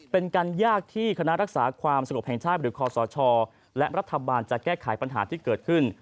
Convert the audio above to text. เป็นการยากที่คณะรักษาความสงบแห่งชาติหรือคอสชและรัฐบาลจะแก้ไขปัญหาที่เกิดขึ้น